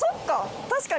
確かに。